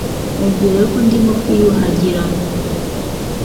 Mubwire ko ndimo kwiyuhagira.